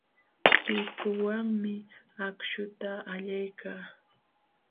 Pikuwanmi akśhuta allaykaa.